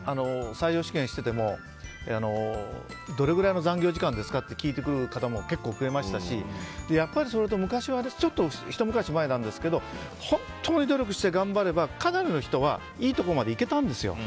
採用試験をしていてもどれぐらいの残業時間ですかって聞いてくる方も結構増えましたしやっぱり、それと昔はちょっとひと昔前なんですけど本当に努力して頑張ればかなりの人はいいところまでいけたんですよ。